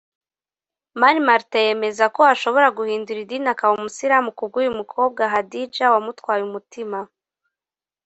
Mani Martin yemeza ko ashobora guhindura idini akaba umusilamu ku bw’uyu mukobwa Hadidja wamutwaye umutima